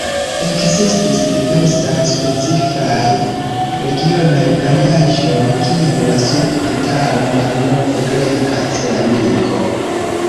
Ekzistis diversaj specifaj regionaj variaĵoj, kiel la sud-itala malnov-greka ceramiko.